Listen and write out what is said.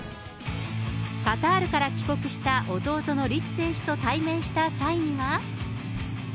カタールから帰国した弟の律選手と対面した際には。